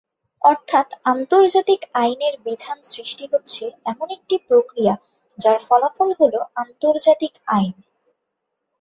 অর্থাৎ আন্তর্জাতিক আইনের বিধান সৃষ্টি হচ্ছে এমন একটি প্রক্রিয়া যার ফলাফল হল আন্তর্জাতিক আইন।